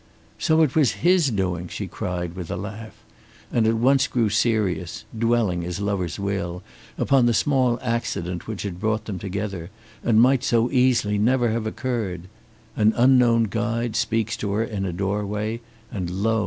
"So it was his doing," she cried, with a laugh, and at once grew serious, dwelling, as lovers will, upon the small accident which had brought them together, and might so easily never have occurred. An unknown guide speaks to her in a doorway, and lo!